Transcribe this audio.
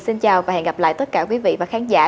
xin chào và hẹn gặp lại tất cả quý vị và khán giả